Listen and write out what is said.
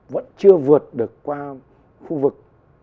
vẫn chưa vượt được qua khu vực